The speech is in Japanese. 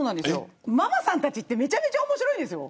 ママさんたちってめちゃくちゃ面白いんです。